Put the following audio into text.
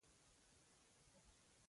تاریخي زمان بیا لاسته نه راځي.